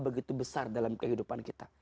begitu besar dalam kehidupan kita